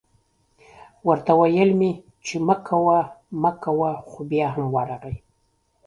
ورته ویل مې چې مه کوه مه کوه خو بیا هم ورغی